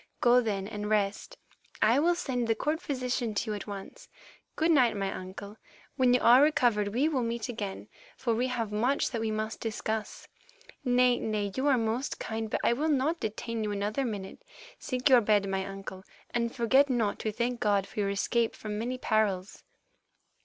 Go, then, and rest; I will send the court physician to you at once. Good night, my uncle; when you are recovered we will meet again, for we have much that we must discuss. Nay, nay, you are most kind, but I will not detain you another minute. Seek your bed, my uncle, and forget not to thank God for your escape from many perils."